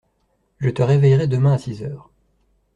Je te réveillerai demain à six heures.